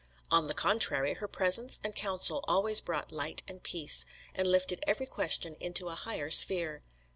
On the contrary, her presence and counsel always brought light and peace, and lifted every question into a higher sphere.